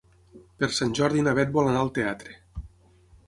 Per Sant Jordi na Bet vol anar al teatre.